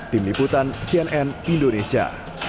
tim liputan cnn indonesia